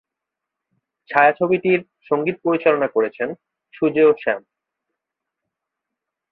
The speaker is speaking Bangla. ছায়াছবিটির সঙ্গীত পরিচালনা করেছেন সুজেয় শ্যাম।